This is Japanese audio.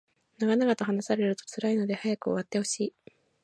長々と話されると辛いので早く終わってほしい